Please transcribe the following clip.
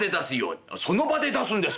「あっその場で出すんですか？